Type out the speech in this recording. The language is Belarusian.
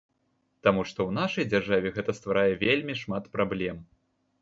Таму што ў нашай дзяржаве гэта стварае вельмі шмат праблем.